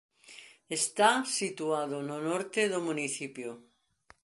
Está situado no norte do municipio.